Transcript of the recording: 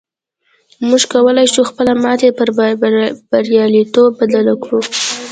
موږ کولی شو خپله ماتې پر برياليتوب بدله کړو.